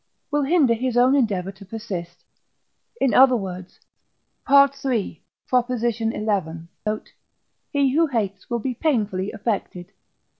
will hinder his own endeavour to persist; in other words (III. xi. note), he who hates will be painfully affected. Q.